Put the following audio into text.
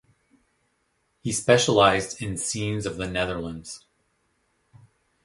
He specialized in scenes of the Netherlands.